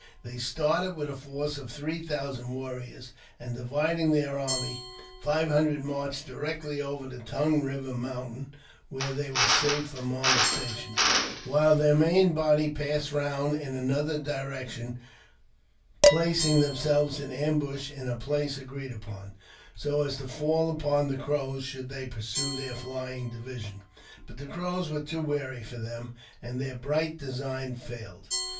They started with a force of three thousanjB warriors, and, dividing their army, five hundred marched directly over the Tongue Eiver Mountain, where they were safe from molestation, while their main body passed round ^1 another direction, placing themselves in ambush in a place" agreed upon, so as to fall upon the Crows should they pui'sue their flying division. But the Crows were too wary for the: and their bright design failed.